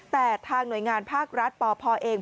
แต่ทางหน่วยงานภาครัฐปพเอง